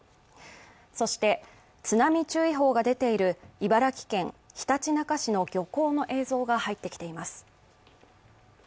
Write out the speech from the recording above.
そして、津波注意報が出ている茨城県ひたちなか市の漁港の映像が入ってきています。